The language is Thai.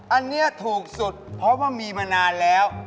อันนี้ถูกสุดเพราะว่ามีมานานแล้ว